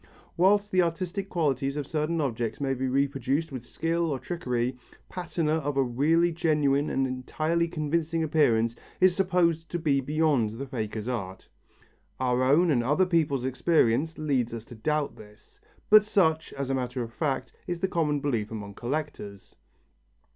Whilst the artistic qualities of certain objects may be reproduced with skill or trickery, patina of a really genuine and entirely convincing appearance is supposed to be beyond the faker's art. Our own and other people's experience leads us to doubt this, but such, as a matter of fact, is the common belief among collectors.